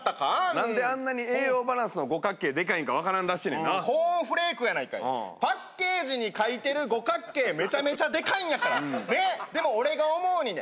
なんであんなに栄養バランスの五角形でかいんか分からんらしいコーンフレークやないかいパッケージにかいてる五角形めちゃめちゃでかいんやからねっでも俺が思うにね